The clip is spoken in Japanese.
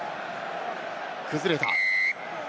崩れた。